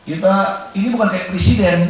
ini bukan kayak presiden